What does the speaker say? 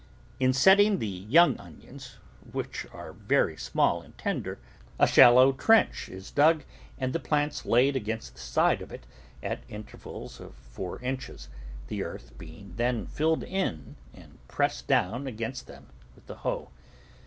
In setting the young onions, which are very small and tender, a shallow trench is dug and the plants laid against the side of it at intervals of four inches, the earth being then filled in and pressed down against them with the hoe.